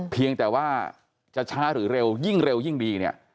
เพียงแต่ว่าจะช้าหรือเร็วยิ่งเร็วยิ่งดีเนี่ย